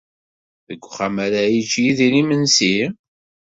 Deg uxxam ara yečč Yidir imensi?